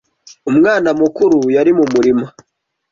umwana mukuru yari mu murima.